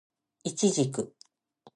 イチジク